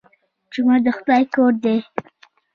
جومات د خدای کور دی